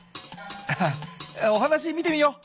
ハハお話見てみよう。